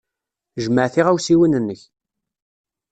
Jmeɛ tiɣawsiwin-nnek.